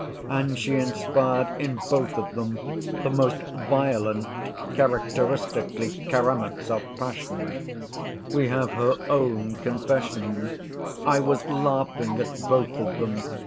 And she inspired in both of them the most violent, characteristically Karamazov passion. We have her own confession: 'I was laughing at both of them.